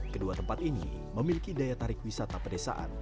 kedua tempat ini memiliki daya tarik wisata pedesaan